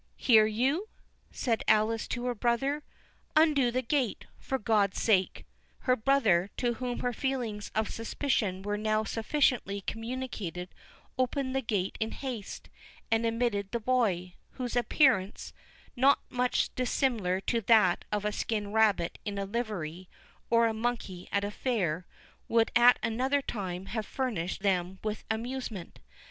"Hear you?" said Alice to her brother; "undo the gate, for God's sake." Her brother, to whom her feelings of suspicion were now sufficiently communicated, opened the gate in haste, and admitted the boy, whose appearance, not much dissimilar to that of a skinned rabbit in a livery, or a monkey at a fair, would at another time have furnished them with amusement.